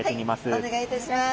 はいお願いいたします。